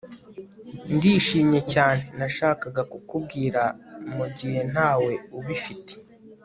ndishimye cyane. nashakaga kukubwira mu gihe ntawe ubifite